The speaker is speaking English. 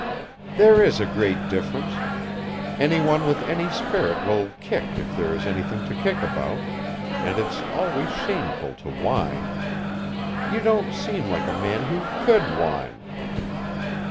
"There is a great difference. Any one with any spirit will kick if there is anything to kick about. And it's always shameful to whine. You don't seem like a man who could whine."